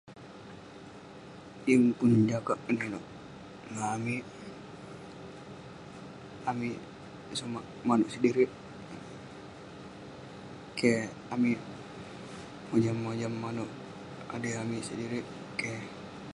Yeng pun jakak eh nanouk ngan amik, amik sumak manouk sedirik..keh..amik mojam mojam manouk adui amik sedirik..keh